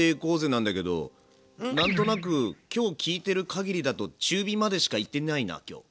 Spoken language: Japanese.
なんだけど何となく今日聞いてるかぎりだと中火までしか行ってないな今日。